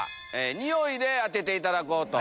ニオイで当てていただこうと。